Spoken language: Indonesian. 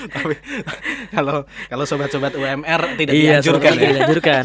tapi kalau sobat sobat umr tidak dianjurkan dianjurkan